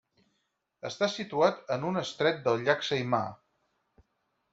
Està situat en un estret del llac Saimaa.